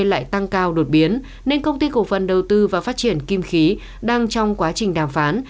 lại tăng cao đột biến nên công ty cổ phần đầu tư và phát triển kim khí đang trong quá trình đàm phán